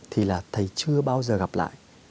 thì là thầy chưa bao giờ gặp lại